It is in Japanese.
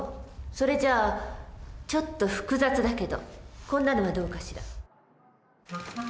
それじゃちょっと複雑だけどこんなのはどうかしら。